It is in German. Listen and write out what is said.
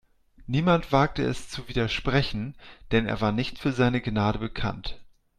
Niemand wagte es zu widersprechen, denn er war nicht für seine Gnade bekannt.